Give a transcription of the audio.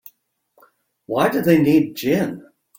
Why do they need gin?